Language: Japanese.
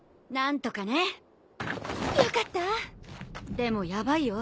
でもヤバいよ。